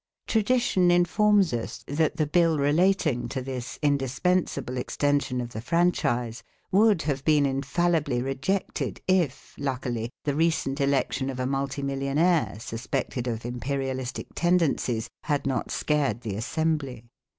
Tradition informs us that the bill relating to this indispensable extension of the franchise would have been infallibly rejected, if, luckily, the recent election of a multi millionaire suspected of imperialistic tendencies had not scared the assembly.